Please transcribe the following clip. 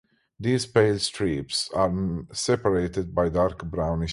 These pale stripes are separated by dark brownish stripes.